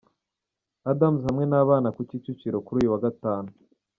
Adams hamwe n’abana ku Kicukiro kuri uyu wa gatanu.